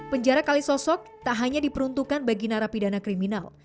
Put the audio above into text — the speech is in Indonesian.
penjara kalisosok tak hanya diperuntukkan bagi narapidana kriminal